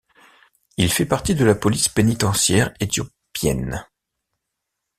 Il fait partie de la police pénitentiaire éthiopienne.